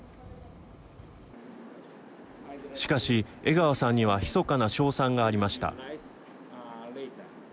しかし、江川さんにはひそかな勝算がありました。